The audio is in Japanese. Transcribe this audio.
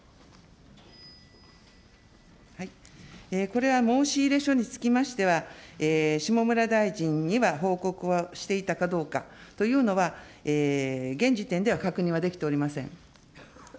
これは申し入れ書につきましては、下村大臣には報告はしていたかどうかというのは、現時点では確認